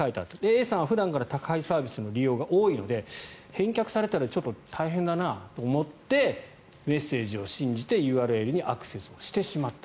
Ａさんは普段から宅配サービスの利用が多いので返却されたらちょっと大変だなと思ってメッセージを信じてＵＲＬにアクセスしてしまった。